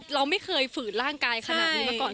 เราไม่เคยฝืนร่างกายขนาดนี้มาก่อน